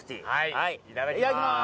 はいいただきます